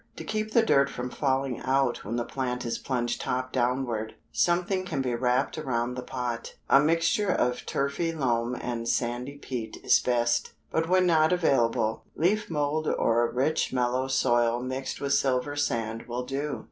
To keep the dirt from falling out when the plant is plunged top downward, something can be wrapped around the pot. A mixture of turfy loam and sandy peat is best, but when not available, leaf mold or a rich mellow soil mixed with silver sand will do.